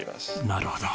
なるほど。